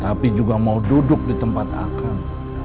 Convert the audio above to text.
tapi juga mau duduk di tempat akan